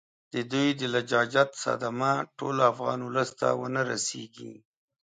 د دوی د لجاجت صدمه ټول افغان اولس ته ونه رسیږي.